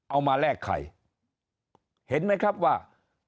เอามาแลกไข่เห็นไหมครับว่า